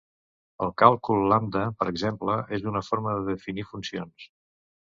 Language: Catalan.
El càlcul lambda, per exemple, és una forma de definir funcions.